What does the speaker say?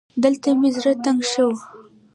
دلته مې زړه تنګ شو